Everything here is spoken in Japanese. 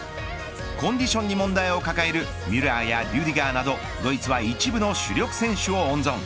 コンディションに問題を抱えるミュラーやリュディガーなどドイツは一部の主力選手を温存。